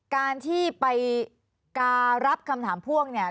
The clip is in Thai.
การที่ไปการับคำถามพ่วงเนี่ย